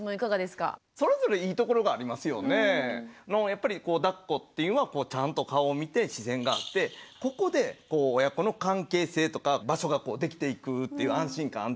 やっぱりだっこっていうのはちゃんと顔を見て視線が合ってここで親子の関係性とか場所ができていくっていう安心感安定感がある。